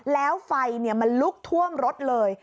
แล้วไฟมันลุกท่วมรถเลย